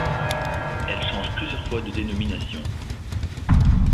Elle change plusieurs fois de dénomination.